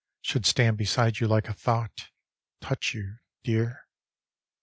Should stand beside you like a thought — Touch you, dear.